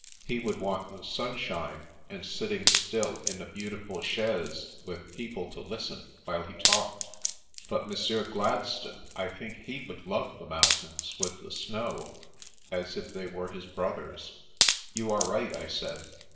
He would want the sunshine, and sitting still in a beau tiful chaise with people to listen while he talked, but Monsieur Gladstone, I think he would love the mountains with the snow, as if they were his brothers." " You are right," I said.